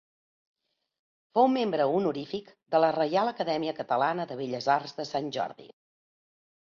Fou membre honorífic de la Reial Acadèmia Catalana de Belles Arts de Sant Jordi.